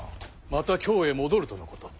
また京へ戻るとのこと。